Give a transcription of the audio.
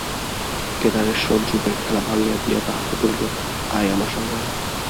কেদারেশ্বর ধ্রুবের খেলা ভাঙিয়া দিয়া তাহাকে বলিল, আয় আমার সঙ্গে আয়।